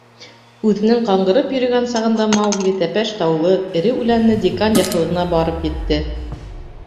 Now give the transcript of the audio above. Үҙенең ҡаңғырып йөрөгән сағында Маугли тәпәш таулы, эре үләнле Декан яҫылығына барып етте.